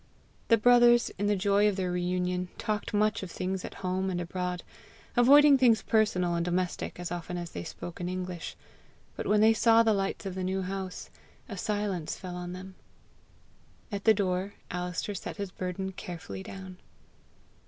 The brothers, in the joy of their reunion, talked much of things at home and abroad, avoiding things personal and domestic as often as they spoke English; but when they saw the lights of the New House, a silence fell upon them. At the door, Alister set his burden carefully down.